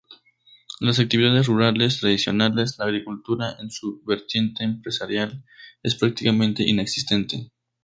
De las actividades rurales tradicionales, la agricultura en su vertiente empresarial es prácticamente inexistente.